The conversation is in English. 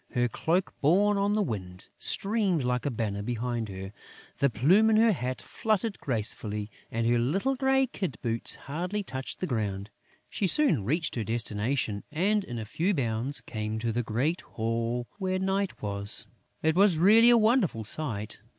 Her cloak, borne on the wind, streamed like a banner behind her; the plume in her hat fluttered gracefully; and her little grey kid boots hardly touched the ground. She soon reached her destination and, in a few bounds, came to the great hall where Night was. It was really a wonderful sight.